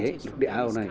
lục địa hà âu này